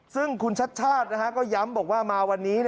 ซึ่งคุณชัดชาติก็ย้ำบอกว่ามาวันนี้